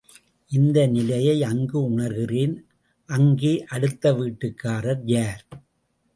இந்த நிலையை அங்கு உணர்கிறேன், அங்கே அடுத்த வீட்டுக்காரர் யார்?